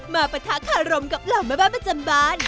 ปะทะคารมกับเหล่าแม่บ้านประจำบาน